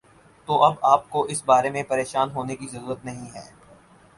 تو اب آ پ کو اس بارے میں پریشان ہونے کی ضرورت نہیں ہے